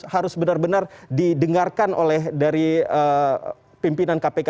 harus benar benar didengarkan oleh dari pimpinan kpk